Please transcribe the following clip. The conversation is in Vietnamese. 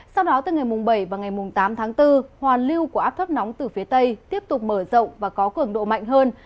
sau đó từ ngày bảy và ngày tám tháng bốn hoàn lưu của áp thấp nóng từ phía tây tiếp tục mở rộng và có cường độ mạnh hơn